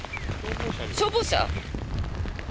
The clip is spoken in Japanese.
消防車？